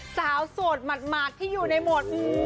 โสดหมาดที่อยู่ในโหมด